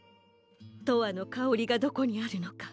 「とわのかおり」がどこにあるのか